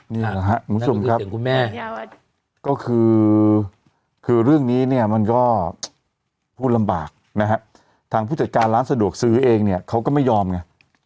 นี่แหละครับคุณผู้ชมครับคุณแม่ก็คือคือเรื่องนี้เนี่ยมันก็พูดลำบากนะฮะทางผู้จัดการร้านสะดวกซื้อเองเนี่ยเขาก็ไม่ยอมไง